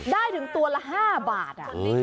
ได้ถึงตัวละ๕บาท